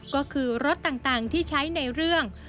ก็คือรถต่างที่ใช้ในเรื่อง